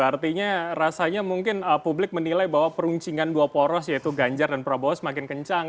artinya rasanya mungkin publik menilai bahwa peruncingan dua poros yaitu ganjar dan prabowo semakin kencang